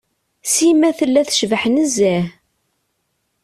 Sima tella tecbeḥ nezzeh.